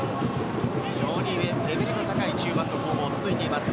非常にレベルの高い中盤の攻防が続いています。